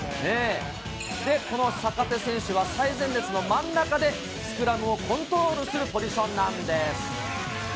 その坂手選手は最前列の真ん中で、スクラムをコントロールするポジションなんです。